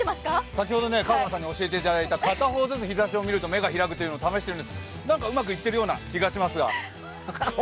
先ほど香川さんに教えていただいた片方ずつ見ると目が開くというのを試してるんですが、うまくいってるような気がしますが。